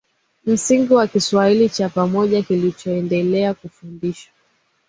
msingi wa Kiswahili cha pamoja kilichoendela kufundishwa